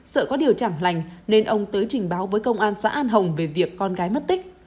sợ có điều chẳng lành nên ông tới trình báo với công an xã an hồng về việc con gái mất tích